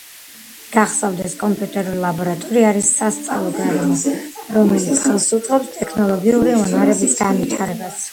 გახსოვდეს! კომპიუტერული ლაბორატორია არის სასწავლო გარემო, რომელიც ხელს უწყობს ტექნოლოგიური უნარების განვითარებას.